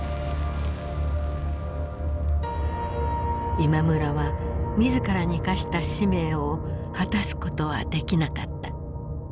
今村は自らに課した使命を果たすことはできなかった。